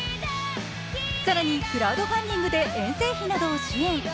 更にクラウドファンディングで遠征費などを支援。